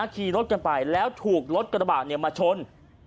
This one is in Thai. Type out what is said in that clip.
ขี่รถกันไปแล้วถูกรถกระบาดมาชน